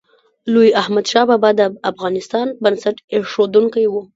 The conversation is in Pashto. لوی احمدشاه بابا د افغانستان بنسټ ایښودونکی و.